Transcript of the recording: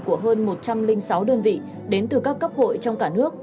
của hơn một trăm linh sáu đơn vị đến từ các cấp hội trong cả nước